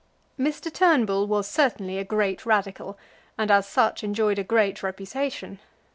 Mr. Turnbull was certainly a great Radical, and as such enjoyed a great reputation.